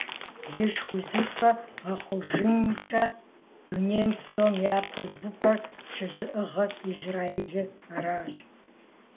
Лышх узыфэр гъэхъужынымкӀэ дуней псом япэ увыпӀэр щызыӀыгъыр Израилыр аращ.